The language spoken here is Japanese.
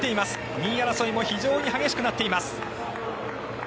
２位争いも非常に激しくなっています。